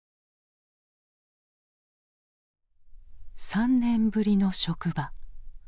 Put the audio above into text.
３年ぶりの職場。